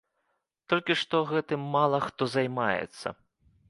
Толькі што гэтым мала хто займаецца.